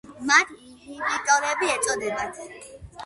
მათ ინჰიბიტორები ეწოდებათ.